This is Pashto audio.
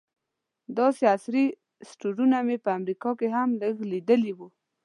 داسې عصري سټورونه مې په امریکا کې هم لږ لیدلي وو.